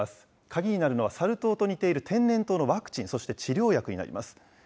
鍵になるのは、サル痘と似ている天然痘のワクチン、そして治療薬になります。